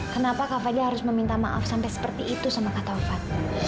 kenapa kak fadila harus meminta maaf sampai seperti itu sama kak tovan